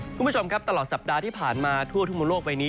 คุณผู้ชมครับตลอดสัปดาห์ที่ผ่านมาทั่วทุกมุมโลกใบนี้